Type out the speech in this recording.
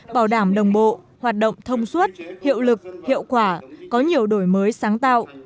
bảo đảm đồng bộ hoạt động thông suốt hiệu lực hiệu quả có nhiều đổi mới sáng tạo